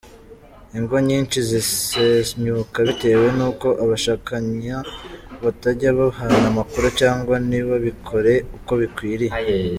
Ingo nyinshi zisenyuka bitewe n’uko abashakanya batajya bahana amakuru cyangwa ntibabikore uko bikwiriye.